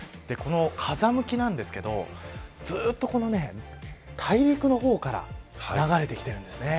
風向きなんですけどずっと大陸の方から流れてきているんですね。